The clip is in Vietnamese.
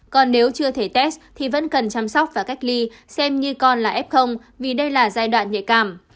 còn nếu chưa thể test thì vẫn cần chăm sóc và cách ly xem như con là f vì đây là giai đoạn nhạy cảm